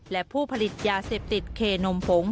และผู้ผลิตยาเสพติดเคนมผง